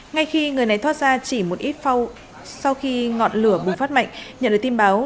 ngay khi người này thoát ra chỉ một ít phau sau khi ngọn lửa bùng phát mạnh nhận được tin báo